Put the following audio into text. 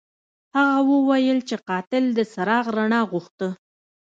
هغه وویل چې قاتل د څراغ رڼا غوښته.